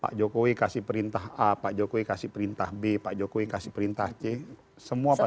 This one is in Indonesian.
pak jokowi kasih perintah a pak jokowi kasih perintah b pak jokowi kasih perintah c semua pasti